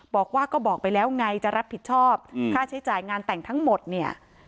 บอกว่าก็บอกไปแล้วไงจะรับผิดชอบค่าใช้จ่ายงานแต่งทั้งหมดเนี่ย